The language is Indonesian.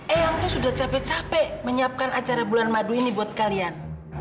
eyang tuh sudah capek capek menyiapkan acara bulan madu ini buat kalian